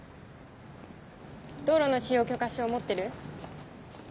道路の使用許可証持ってる？